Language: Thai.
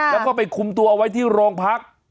แล้วก็ไปคุมตัวเอาไว้ที่โรงพัก